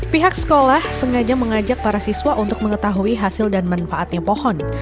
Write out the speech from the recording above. pihak sekolah sengaja mengajak para siswa untuk mengetahui hasil dan manfaatnya pohon